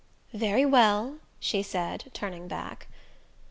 "Very well," she said, turning back.